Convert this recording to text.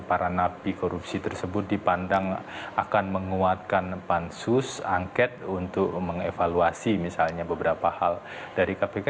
para napi korupsi tersebut dipandang akan menguatkan pansus angket untuk mengevaluasi misalnya beberapa hal dari kpk